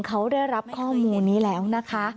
เขาได้รับข้อมูลนี้แล้วนะคะ